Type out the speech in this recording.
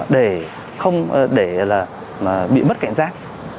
để không bị bất cảnh giác